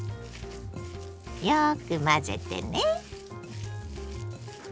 よく混ぜてね。